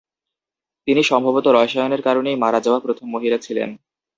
তিনি সম্ভবত "রসায়নের কারণেই মারা যাওয়া প্রথম মহিলা" ছিলেন।